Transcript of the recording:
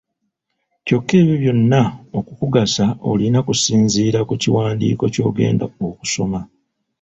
Kyokka ebyo byonna okukugasa olina kusinziira ku kiwandiiko ky'ogenda okusoma.